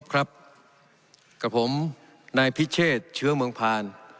ครับกับผมนายพิเชษเชื้อเมืองพาน